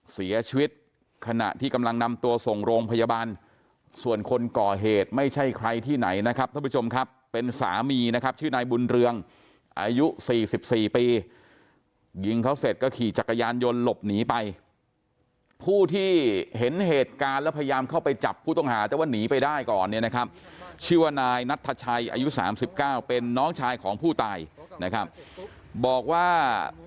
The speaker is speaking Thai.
เสียชีวิตขณะที่กำลังนำตัวส่งโรงพยาบาลส่วนคนก่อเหตุไม่ใช่ใครที่ไหนนะครับท่านผู้ชมครับเป็นสามีนะครับชื่อนายบุญเรืองอายุ๔๔ปียิงเขาเสร็จก็ขี่จักรยานยนต์หลบหนีไปผู้ที่เห็นเหตุการณ์แล้วพยายามเข้าไปจับผู้ต้องหาแต่ว่าหนีไปได้ก่อนเนี่ยนะครับชื่อว่านายนัทชัยอายุสามสิบเก้าเป็นน้องชายของผู้ตายนะครับบอกว่า